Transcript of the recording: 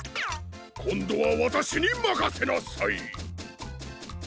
こんどはわたしにまかせなさい！